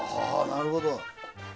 なるほど。